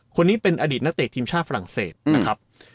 คนนี้เป็นอดีตนักเตะทีมชาติฝรั่งเศสนะครับ